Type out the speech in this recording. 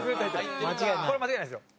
これは間違いないですよ。